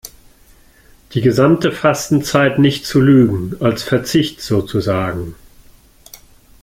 Die gesamte Fastenzeit nicht zu lügen, als Verzicht sozusagen.